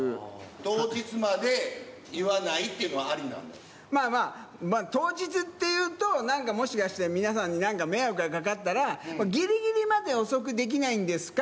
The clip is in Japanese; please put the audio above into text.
当日まで言わないっていうのは、まあまあ、当日っていうと、なんかもしかして、皆さんになんか、迷惑がかかったら、ぎりぎりまで遅くできないんですか？